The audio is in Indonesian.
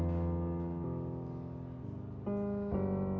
waktu si optimal melengkapi